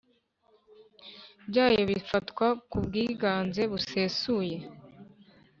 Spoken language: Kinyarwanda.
byayo bifatwa ku bwiganze busesuye